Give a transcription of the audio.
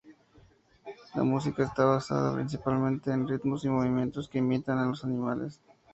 La música está basada principalmente en ritmos y movimientos que imitan a los animales.